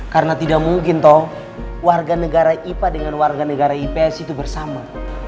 karena tidak mungkin toh warga negara ipa dengan warga negara ips itu bersama